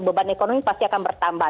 beban ekonomi pasti akan bertambah